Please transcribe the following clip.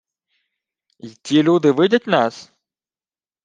— Й ті люди видять нас?